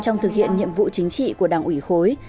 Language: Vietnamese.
trong thực hiện nhiệm vụ chính trị của đảng ủy khối